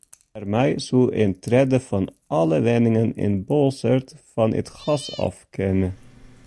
Dêrmei soe in tredde fan alle wenningen yn Boalsert fan it gas ôf kinne.